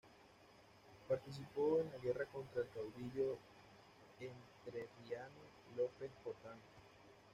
Participó en la guerra contra el caudillo entrerriano López Jordán.